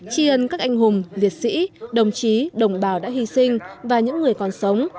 chi ân các anh hùng việt sĩ đồng chí đồng bào đã hy sinh và những người còn sống